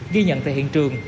ghi nhận tại hiện trường